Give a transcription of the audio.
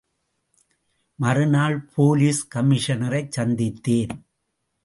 மறுநாள் போலீஸ் கமிஷனரைச் சந்தித்தேன்.